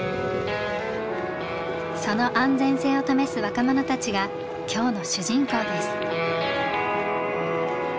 その安全性を試す若者たちが今日の主人公です。